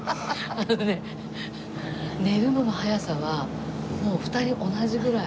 あのね寝るのの早さはもう２人同じぐらい。